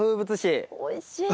おいしい。